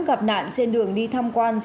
gặp nạn trên đường đi thăm quan